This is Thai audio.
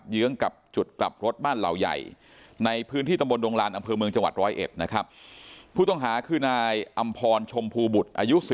เยื้องกับจุดกลับรถบ้านเหล่าใหญ่ในพื้นที่ตำบลโดงรานอำเภอเมืองจังหวัด๑๐๑